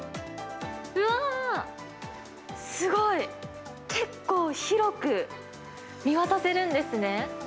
うわー、すごい、結構広く見渡せるんですね。